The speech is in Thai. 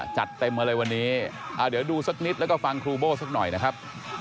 จัดเต็มมาเลยวันนี้เดี๋ยวดูสักนิดแล้วก็ฟังครูโบ้สักหน่อยนะครับ